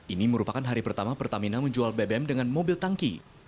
ini merupakan hari pertama pertamina menjual bbm dengan mobil tangki